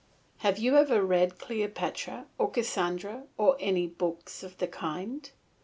Have you ever read Cleopatra or Cassandra or any books of the kind?